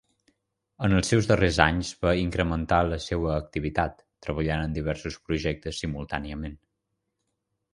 En els seus darrers anys va incrementar la seua activitat, treballant en diversos projectes simultàniament.